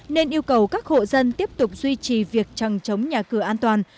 nên yêu cầu các hộ dân tiếp tục duy trì việc trăng chống nhà cửa an toàn